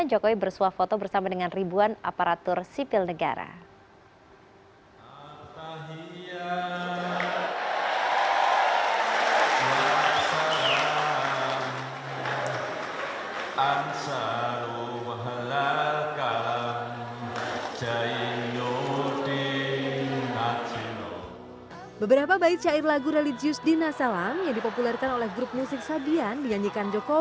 jokowi bersuah foto bersama dengan ribuan